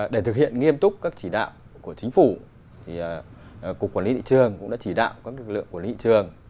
để thực hiện nghiêm túc các chỉ đạo của chính phủ cục quản lý thị trường cũng đã chỉ đạo các lực lượng quản lý thị trường